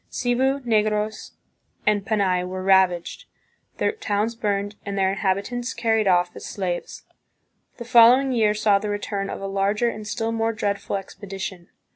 Cebu, Negros, and Panay were ravaged, their towns burned, and their inhabitants carried off as slaves. The following year saw the return of a larger and still more dreadful expedition.